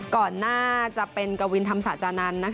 ก่อนหน้าจะเป็นกวินธรรมศาจานันทร์